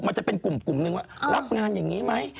มันจะเป็นกลุ่มนึงว่ารับงานอย่างนี้ไหม